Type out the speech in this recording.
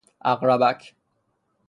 عقربک